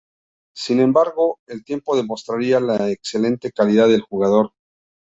Sin embargo, el tiempo demostraría la excelente calidad del jugador.